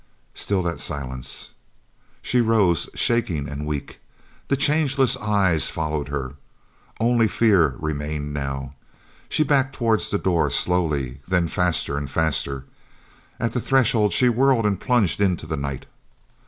Still that silence. She rose, shaking and weak. The changeless eyes followed her. Only fear remained now. She backed towards the door, slowly, then faster, and faster. At the threshold she whirled and plunged into the night.